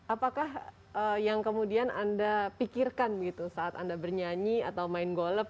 apakah yang kemudian anda pikirkan saat anda bernyanyi atau main golf